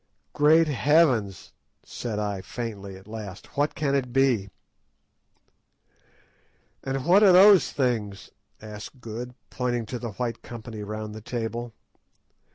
"Great heavens!" said I faintly, at last, "what can it be?" "And what are those things?" asked Good, pointing to the white company round the table.